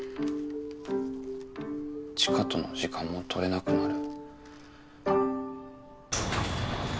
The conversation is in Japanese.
知花との時間もとれなくなる。